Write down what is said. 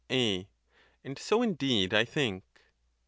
'A. And so, indeed, I think.